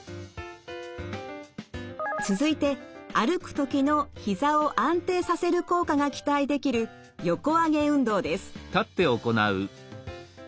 続いて歩くときのひざを安定させる効果が期待できる横上げ運動です。